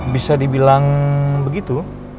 bisa dibilang begitu